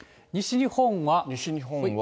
西日本は。